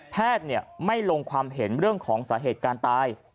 แพทย์ไม่ลงความเห็นเรื่องของสาเหตุการตาย